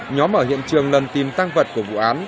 nhóm ở hiện trường lần tìm tăng vật của vụ án